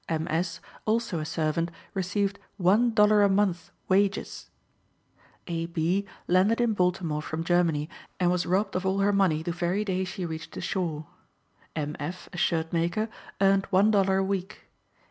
M. S., also a servant, received one dollar a month wages. A. B. landed in Baltimore from Germany, and was robbed of all her money the very day she reached the shore. M. F., a shirt maker, earned one dollar a week.